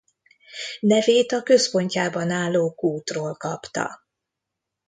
Nevét a központjában álló kútról kapta.